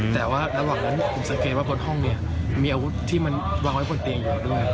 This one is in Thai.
แต่ว่าระหว่างนั้นผมสังเกตว่าบนห้องนี้มีอาวุธที่มันวางไว้บนเตียงอยู่ด้วย